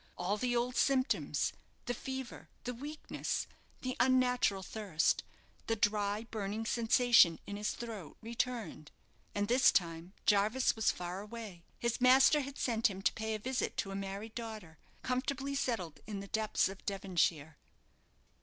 All the old symptoms the fever, the weakness, the unnatural thirst, the dry, burning sensation in his throat returned; and this time Jarvis was far away. His master had sent him to pay a visit to a married daughter, comfortably settled in the depths of Devonshire.